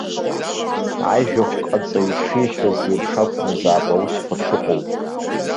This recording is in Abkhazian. Ажәахәҟаҵаҩ ишиҳәаз еиԥш акәымзаап аусқәа шыҟоу!